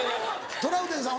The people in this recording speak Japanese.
トラウデンさん